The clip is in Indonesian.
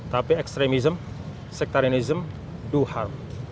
tapi ekstremisme sektarianisme berbahaya